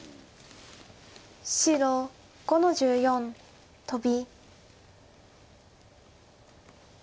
白５の十四トビ。